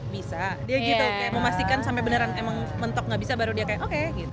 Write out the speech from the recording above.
bisa dia gitu kayak memastikan sampai beneran emang mentok nggak bisa baru dia kayak oke gitu